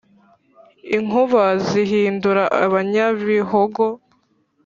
Inkuba zihindura abanyabihogo